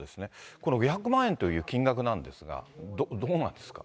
この５００万円という金額なんですが、どうなんですか。